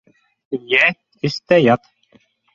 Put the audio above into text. Йә, эс тә ят.